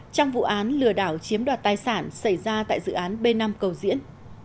trong vụ án lừa đảo chiếm đoạt tài sản xảy ra tại dự án b năm cầu diễn